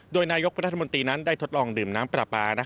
โดยนายกรัฐมนตรีนั้นได้ทดลองดื่มน้ำปลาปลา